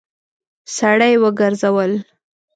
سړی وګرځول.